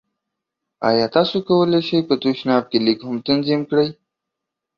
ایا تاسو کولی شئ په تشناب کې لیک هم تنظیم کړئ؟